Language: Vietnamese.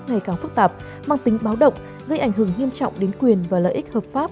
ngày càng phức tạp mang tính báo động gây ảnh hưởng nghiêm trọng đến quyền và lợi ích hợp pháp